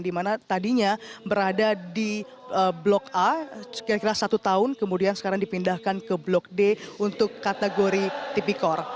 seandainya berada di blok a sekitar satu tahun kemudian sekarang dipindahkan ke blok d untuk kategori tipikor